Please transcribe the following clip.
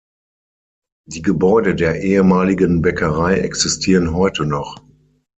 Die Gebäude der ehemaligen Bäckerei existieren heute noch.